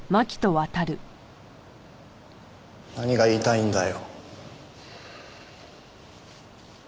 何が言いたいんだよ。